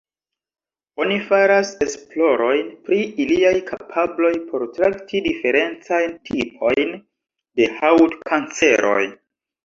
Oni faras esplorojn pri iliaj kapabloj por trakti diferencajn tipojn de haŭtkanceroj.